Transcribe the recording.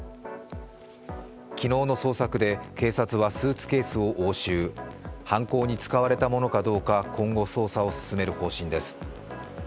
昨日の捜索で警察はスーツケースを押収、犯行に使われたものかどうか今後、捜査を進める方針です。